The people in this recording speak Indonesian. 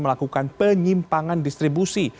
melakukan penyimpangan distribusi